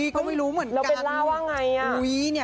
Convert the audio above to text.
ก็ไม่รู้เหมือนเราเบลล่าว่าไง